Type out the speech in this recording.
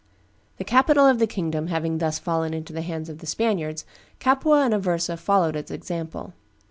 The capital of the kingdom having thus fallen into the hands of the Spaniards, Capua and Aversa followed its example.